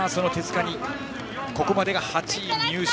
ここまでが８位入賞。